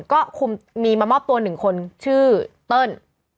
ก็มีมามอบตัว๑คนชื่อเติ้ล